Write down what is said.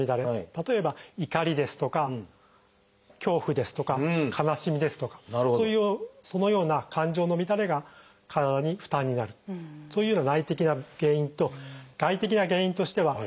例えば「怒り」ですとか「恐怖」ですとか「悲しみ」ですとかそのような感情の乱れが体に負担になるそういうような内的な原因と外的な原因としては外部環境の変化。